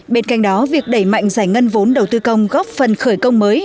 bên cạnh đó việc đẩy mạnh giải ngân vốn đầu tư công góp phần khởi công mới